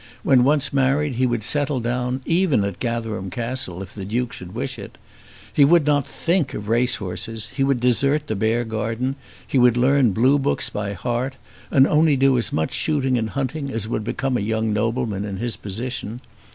When once married he would settle down, even at Gatherum Castle if the Duke should wish it. He would not think of race horses, he would desert the Beargarden, he would learn blue books by heart, and only do as much shooting and hunting as would become a young nobleman in his position.